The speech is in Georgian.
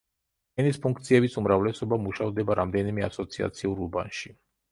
ენის ფუნქციების უმრავლესობა მუშავდება რამდენიმე ასოციაციურ უბანში.